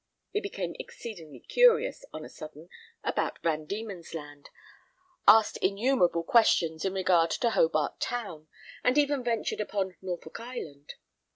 He became exceedingly curious, on a sudden, about Van Dieman's Land, asked innumerable questions in regard to Hobart Town, and even ventured upon Norfolk Island.